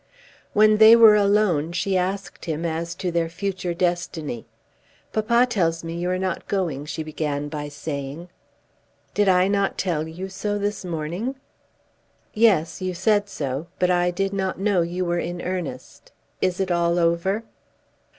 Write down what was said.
When they were alone she asked him as to their future destiny. "Papa tells me you are not going," she began by saying. "Did I not tell you so this morning?" "Yes; you said so. But I did not know you were earnest. Is it all over?"